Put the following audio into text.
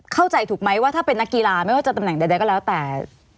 เข้าใจถูกไหมว่าถ้าเป็นนักกีฬาไม่ว่าจะตำแหน่งใดก็แล้วแต่